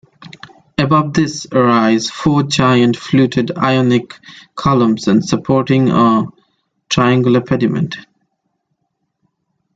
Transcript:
Above this arise four giant fluted Ionic columns supporting a triangular pediment.